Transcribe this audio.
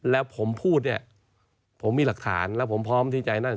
แล้วผมพูดเนี่ยผมมีหลักฐานแล้วผมพร้อมที่จะนั่ง